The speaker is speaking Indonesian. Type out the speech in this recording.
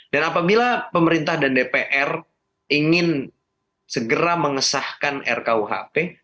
dan apabila pemerintah dan dpr ingin segera mengesahkan rkuhp